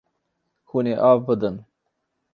Hûn ê av bidin.